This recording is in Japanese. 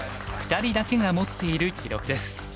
２人だけが持っている記録です。